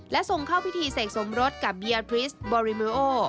และทรงเข้าพิธีเสกสมรสกับเบียดริสต์บอริมิโอ